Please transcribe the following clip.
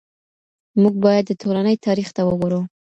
موږ بايد د ټولني تاريخ ته وګورو.